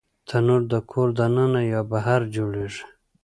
تنور د کور دننه یا بهر جوړېږي